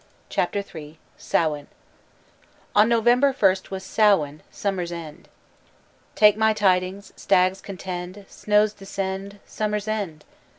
CHAPTER III SAMHAIN On November first was Samhain ("summer's end"). "Take my tidings: Stags contend; Snows descend Summer's end!